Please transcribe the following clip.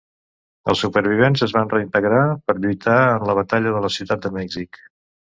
Els supervivents es van reintegrar, per lluitar en la Batalla de la ciutat de Mèxic.